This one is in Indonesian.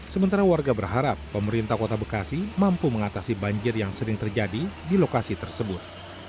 sementara warga berharap pemerintah kota bekasi mampu mengatasi banjir yang sering terjadi di lokasi tersebut